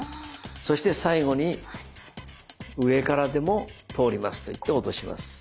そして最後に「上からでも通ります」と言って落とします。